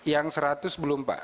yang seratus belum pak